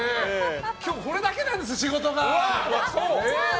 今日これだけなんです仕事が。